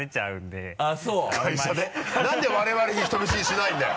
何で我々に人見知りしないんだよ！